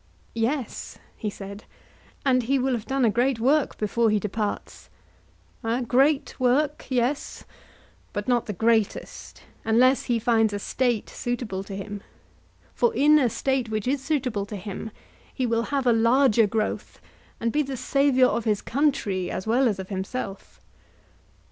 Yes, he said, and he will have done a great work before he departs. A great work—yes; but not the greatest, unless he find a State suitable to him; for in a State which is suitable to him, he will have a larger growth and be the saviour of his country, as well as of himself.